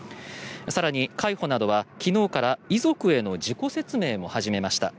更に海保などは昨日から遺族への事故説明も始めました。